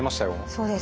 そうですか。